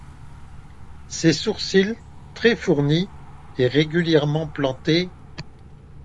Ses sourcils, très-fournis et régulièrement plantés